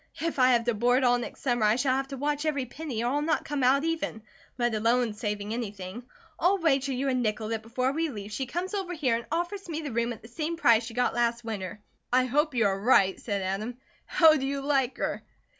If I have to board all next summer, I shall have to watch every penny, or I'll not come out even, let alone saving anything. I'll wager you a nickel that before we leave, she comes over here and offers me the room at the same price she got last winter." "I hope you are right," said Adam. "How do you like her?"